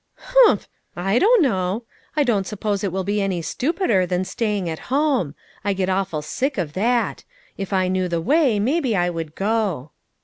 "Humph! I don't know. I don't suppose it will be any stupider than staying at home. I get awful sick of that. If I knew the way, maybe I would go."